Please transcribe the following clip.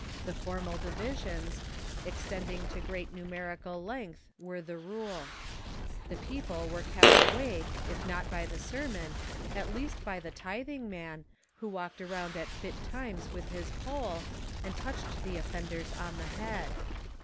The formal divisions, extending to great numerical length, were the rule. The j^eo COLONIAL WORSHIP AND USAGES 473 pie were kept awake, if not by the sermon, at least by the titbing man, who walked around at fit times with his pole, and touched the offenders on the head.